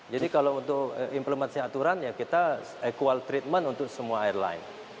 jadi kalau untuk implementasi aturan ya kita equal treatment untuk semua airline